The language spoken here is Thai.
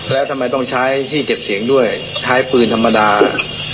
แล้วทำไมต้องใช้ที่เก็บเสียงด้วยใช้ปืนธรรมดา